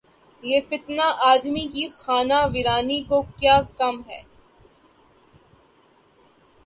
یہ فتنہ‘ آدمی کی خانہ ویرانی کو کیا کم ہے؟